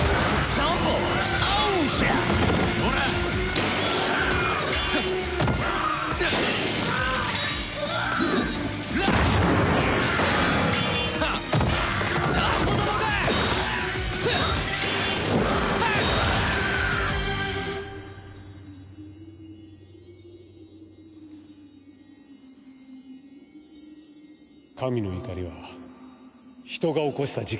神の怒りは人が起こした事件だ。